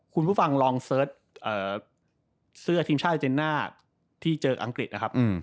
คุณผู้ฟังลองเสิร์ชเอ่อเสื้อทีมชาติอาร์เจน่าที่เจอกับอังกฤษนะครับอืม